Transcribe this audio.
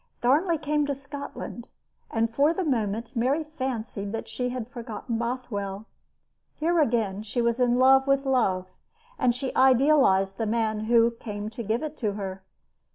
Darnley came to Scotland, and for the moment Mary fancied that she had forgotten Bothwell. Here again she was in love with love, and she idealized the man who came to give it to her.